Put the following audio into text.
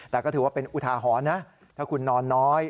แต่ก็ถือว่าเป็นอุทาหรณ์นะถ้าคุณนอนน้อย